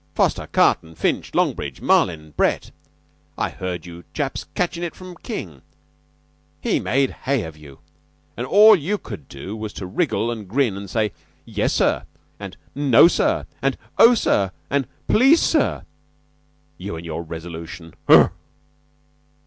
Foster, Carton, Finch, Longbridge, Marlin, Brett! I heard you chaps catchin' it from King he made hay of you an' all you could do was to wriggle an' grin an' say, 'Yes, sir,' an' 'No, sir,' an' 'Oh, sir,' an' 'Please, sir'! You an' your resolution!